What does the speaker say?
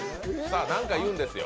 何か言うんですよ。